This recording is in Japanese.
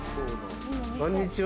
こんにちは。